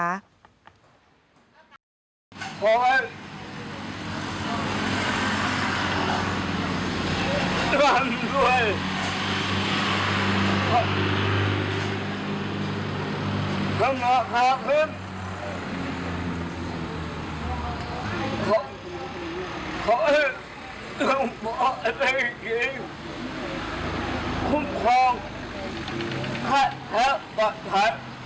เอาเถอะเอา